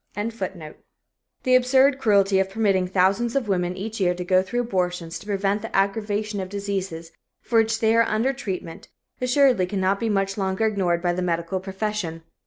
] The absurd cruelty of permitting thousands of women each year to go through abortions to prevent the aggravation of diseases for which they are under treatment assuredly cannot be much longer ignored by the medical profession.